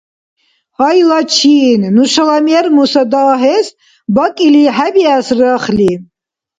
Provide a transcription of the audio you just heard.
Гьай, лачин, нушала мер-муса дагьес бакӀили хӀебиэс рахли.